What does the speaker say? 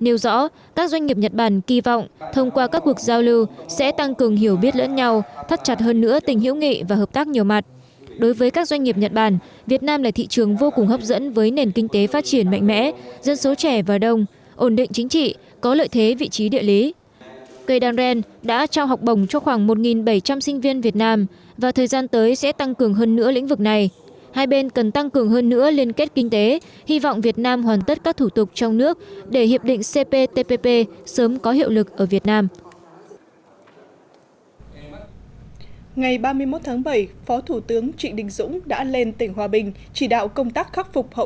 ngày ba mươi một tháng bảy phó thủ tướng trịnh đình dũng đã lên tỉnh hòa bình chỉ đạo công tác khắc phục hậu quả sạt lở do mưa lũ gây ra